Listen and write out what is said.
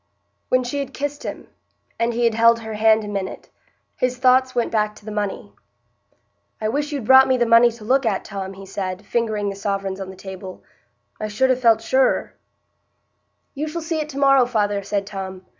When she had kissed him, and he had held her hand a minute, his thoughts went back to the money. "I wish you'd brought me the money to look at, Tom," he said, fingering the sovereigns on the table; "I should ha' felt surer." "You shall see it to morrow, father," said Tom.